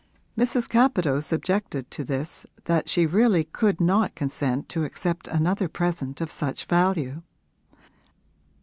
Mrs. Capadose objected to this that she really could not consent to accept another present of such value.